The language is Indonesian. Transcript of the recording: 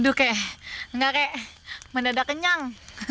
aduh kek enggak kek mendadak kenyang